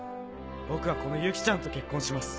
僕はこのユキちゃんと結婚します。